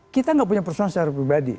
kita nggak punya persoalan secara pribadi